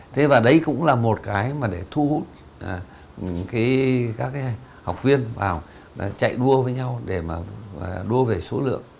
thế và đấy cũng là một cái mà để thu hút các cái học viên vào chạy đua với nhau để mà đua về số lượng